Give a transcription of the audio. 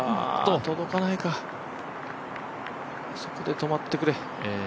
届かないか、そこで止まってくれ。